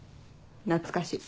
懐かしい。